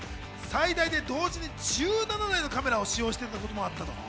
最大で同時に１７台のカメラを使用していたこともあったと。